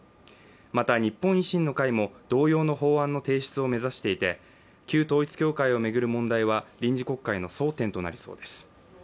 また日本維新の会も同様の法案の提出を目指していて旧統一教会を巡る問題は臨時国会の争点となりそうです。